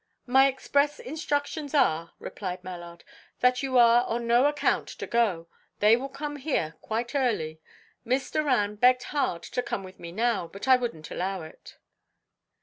"My express instructions are," replied Mallard, "that you are on no account to go. They will come here quite early. Miss Doran begged hard to come with me now, but I wouldn't allow it."